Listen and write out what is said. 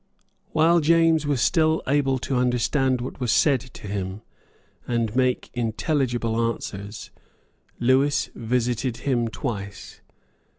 While James was still able to understand what was said to him, and make intelligible answers, Lewis visited him twice.